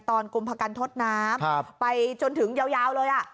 กุมพกันทดน้ำไปจนถึงยาวเลย